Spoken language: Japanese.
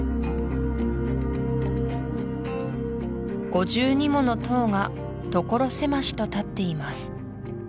５２もの塔が所狭しと立っています